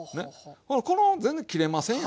ほらこの全然切れませんやんか。